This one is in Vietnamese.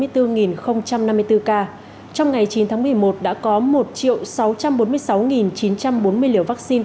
trong ngày chín tháng một mươi một đã có một sáu trăm bốn mươi sáu chín trăm bốn mươi liều vaccine